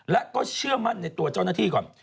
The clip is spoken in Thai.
แล้วก็เชื่อมัดในตัวจ้อนักฐี่ก่อน